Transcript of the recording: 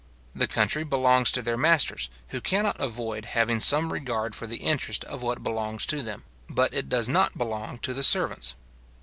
The country belongs to their masters, who cannot avoid having some regard for the interest of what belongs to them; but it does not belong to the servants.